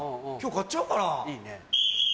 買っちゃおうかな。